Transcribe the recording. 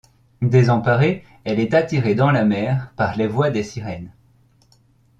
Désemparée elle est attirée dans la mer par les voix des sirènes.